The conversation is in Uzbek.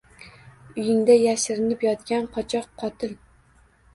Uyingda yashirinib yotgan qochoq — qotil!